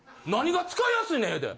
「何が使いやすいねん？」